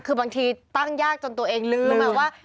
คือบางทีตั้งยากจนตัวเองลืมว่า